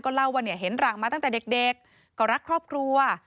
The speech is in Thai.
เล่าว่าเห็นหลังมาตั้งแต่เด็กก็รักครอบครัว